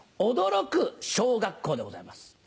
「驚く小学校」でございます。